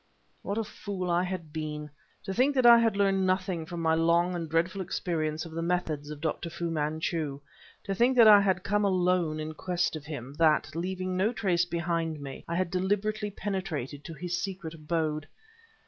What a fool I had been. To think that I had learned nothing from my long and dreadful experience of the methods of Dr. Fu Manchu; to think that I had come alone in quest of him; that, leaving no trace behind me, I had deliberately penetrated to his secret abode!